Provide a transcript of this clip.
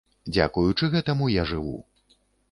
Дзякуючы гэтаму я жыву.